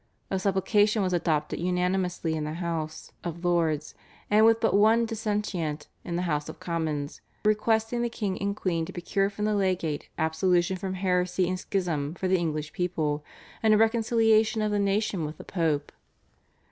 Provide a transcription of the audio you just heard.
A supplication was adopted unanimously in the House of Lords, and with but one dissentient in the House of Commons, requesting the King and Queen to procure from the legate absolution from heresy and schism for the English people and a reconciliation of the nation with the Pope.